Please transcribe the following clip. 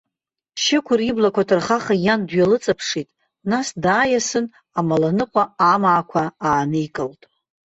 Шьықәыр иблақәа ҭырхаха иан дҩалыҵаԥшит, нас дааиасын амаланыҟәа амаақәа ааникылт.